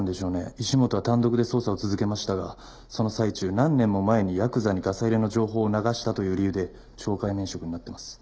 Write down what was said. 石本は単独で捜査を続けましたがその最中何年も前にヤクザにガサ入れの情報を流したという理由で懲戒免職になっています。